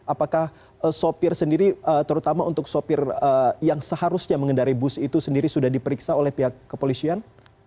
apakah sopir sendiri terutama untuk sopir yang seharusnya mengendari bus itu sendiri sudah diperiksa oleh pihak kepolisian